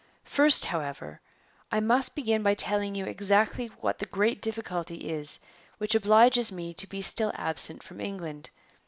First, however, I must begin by telling you exactly what the great difficulty is which obliges me to be still absent from England.